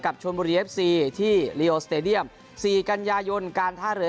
กับชวนบุรีเอฟซีที่ลิโอสเตรเดียมสี่กัญญายนต์การท่าเหลือ